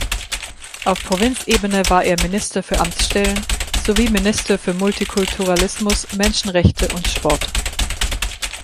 Auf Provinzebene war er Minister für Amtsstellen sowie Minister für Multikulturalismus, Menschenrechte und Sport.